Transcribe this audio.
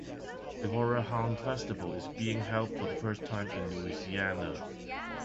The Horror Hound festival is being held for the first time in Louisiana.